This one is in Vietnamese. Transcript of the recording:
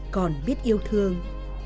còn biết yêu thương